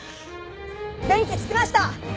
電気つきました！